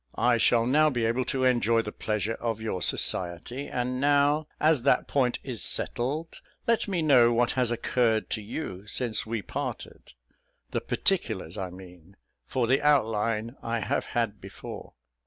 I shall now be able to enjoy the pleasure of your society; and now, as that point is settled, let me know what has occurred to you since we parted the particulars I mean, for the outline I have had before."